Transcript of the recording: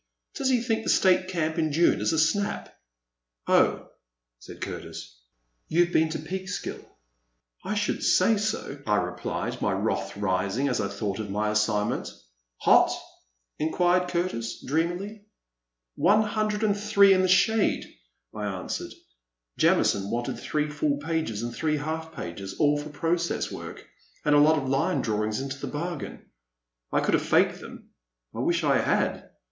Does he think the State Camp in June is a snap ?*' Oh," said Curtis, you *ve been to Peeks kill?" *' I should say so," I replied, my wrath rising as I thought of my assignment. '* Hot ?" inquired Curtis, dreamily. *> 305 3o6 A PUdsant Evening. One hundred and three in the shade/' I an swered. '' Jamison wanted three full pages and three half pages, all for process work, and a lot of line drawings into the bargain. I could have faked them — I wish I had.